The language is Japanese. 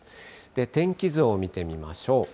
天気図を見てみましょう。